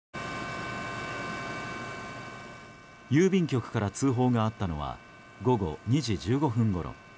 郵便局から通報があったのは午後２時１５分ごろ。